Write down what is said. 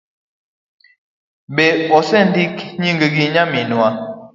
Be osendik nyingi nyaminwa?